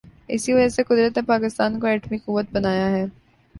اسی وجہ سے قدرت نے پاکستان کو ایٹمی قوت بنایا ہے۔